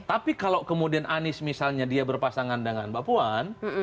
tapi kalau kemudian anies misalnya dia berpasangan dengan mbak puan